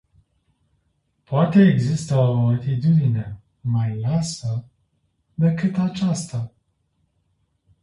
Poate exista o atitudine mai lașă decât aceasta?